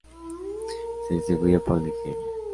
Se distribuye por Nigeria.